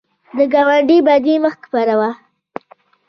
د ګاونډي بدي مه خپروه